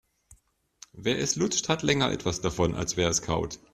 Wer es lutscht, hat länger etwas davon, als wer es kaut.